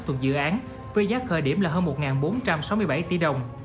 thuộc dự án với giá khởi điểm là hơn một bốn trăm linh